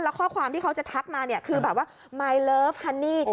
แล้วข้อความที่เขาจะทักมาเนี่ยคือแบบว่ามายเลิฟฮันนี่